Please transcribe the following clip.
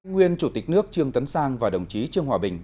nguyên chủ tịch nước trương tấn sang và đồng chí trương hòa bình